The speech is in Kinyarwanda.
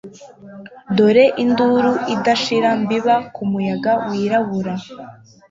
Dore induru idashira mbiba kumuyaga wirabura